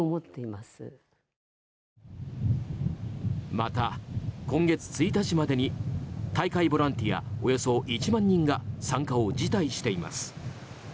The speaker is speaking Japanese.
また、今月１日までに大会ボランティアおよそ１万人が参加を辞退しています。